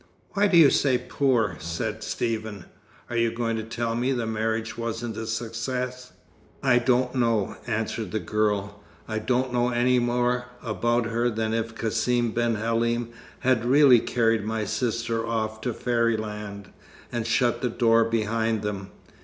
"Why do you say 'poor?'" asked Stephen. "Are you going to tell me the marriage wasn't a success?" "I don't know," answered the girl. "I don't know any more about her than if Cassim ben Halim had really carried my sister off to fairyland, and shut the door behind them.